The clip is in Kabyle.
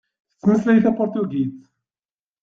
Tettmeslay tapuṛtugit.